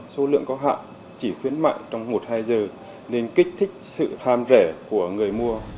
số lượng có hạn chỉ khuyến mại trong một hai giờ nên kích thích sự ham rẻ của người mua